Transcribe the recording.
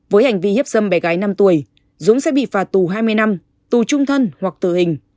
với hành vi hiếp dâm bé gái năm tuổi dũng sẽ bị phạt tù hai mươi năm tù trung thân hoặc tử hình